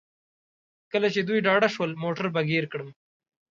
کله چې دوی ډاډه شول موټر به ګیر کړم.